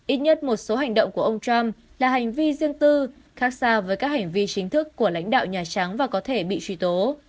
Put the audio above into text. ít nhất một số hành động của ông trump là hành vi riêng tư khác xa với các hành vi chính thức của lãnh đạo nhà trắng và có thể bị truy tố